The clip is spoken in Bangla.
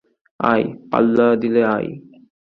আয়, পাল্লা দিলে আয়।